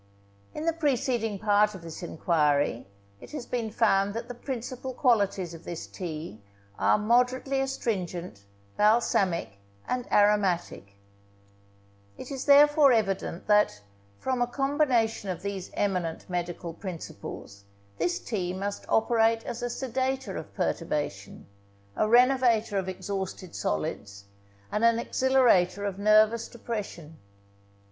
In the preceding part of this enquiry, it has been found that the principal qualities of this tea are moderately astringent, balsamic, and aromatic; it is therefore evident, that, from a combination of these eminent medical principles, this tea must operate as a sedator of perturbation, a renovator of exhausted solids, and an exhilarator of nervous depression.